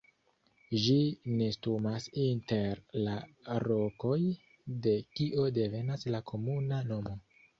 Ĝi nestumas inter la rokoj de kio devenas la komuna nomo.